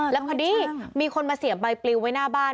แล้วพอดีมีคนมาเสียบใบปลิวไว้หน้าบ้าน